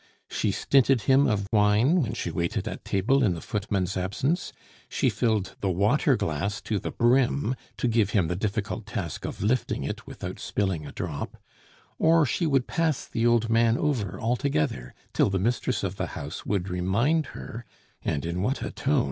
She stinted him of wine when she waited at dinner in the footman's absence; she filled the water glass to the brim, to give him the difficult task of lifting it without spilling a drop; or she would pass the old man over altogether, till the mistress of the house would remind her (and in what a tone!